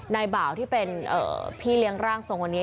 บ่าวที่เป็นพี่เลี้ยงร่างทรงวันนี้